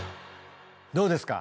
どうですか？